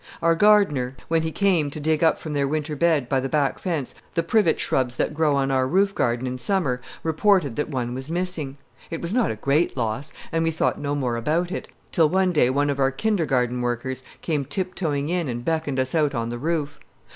Our gardener, when he came to dig up from their winter bed by the back fence the privet shrubs that grow on our roof garden in summer, reported that one was missing. It was not a great loss, and we thought no more about it, till one day one of our kindergarten workers came tiptoeing in and beckoned us out on the roof.